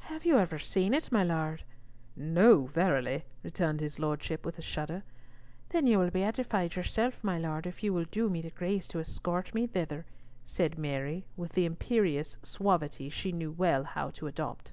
"Have you ever seen it, my Lord?" "No, verily," returned his lordship with a shudder. "Then you will be edified yourself, my Lord, if you will do me the grace to escort me thither," said Mary, with the imperious suavity she well knew how to adopt.